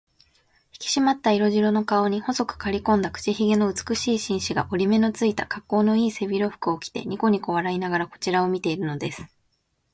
ひきしまった色白の顔に、細くかりこんだ口ひげの美しい紳士が、折り目のついた、かっこうのいい背広服を着て、にこにこ笑いながらこちらを見ているのです。